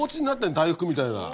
大福みたいな。